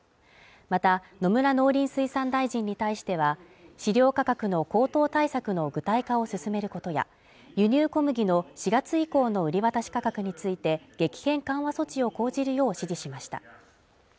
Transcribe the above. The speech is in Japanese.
また野村農林水産大臣に対しては、飼料価格の高騰対策の具体化を進めることや、輸入小麦の４月以降の売り渡し価格について激変緩和措置を講じるよう指示しました。